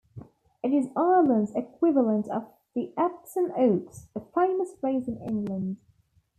It is Ireland's equivalent of the Epsom Oaks, a famous race in England.